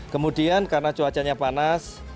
kemudian karena cuacanya panas